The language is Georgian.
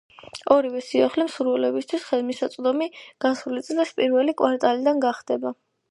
ორივე სიახლე მსურველებისთვის ხელმისაწვდომი გასული წლის პირველი კვარტლიდან გახდება.